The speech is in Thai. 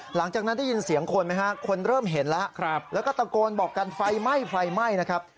หลังจากนั้นได้ยินเสียงคนไหมฮะคนเริ่มเห็นแล้วแล้วก็ตะโกนบอกกันไฟไหม้ไฟไหม้นะครับ